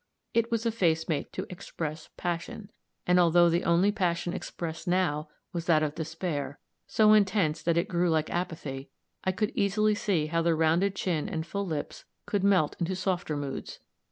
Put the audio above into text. It was a face made to express passion. And, although the only passion expressed now was that of despair, so intense that it grew like apathy, I could easily see how the rounded chin and full lips could melt into softer moods.